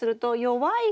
弱い？